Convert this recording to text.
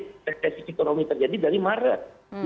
ekspresi ekonomi terjadi dari maret dua ribu dua puluh